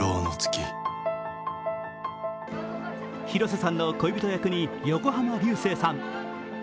広瀬さんの恋人役に横浜流星さん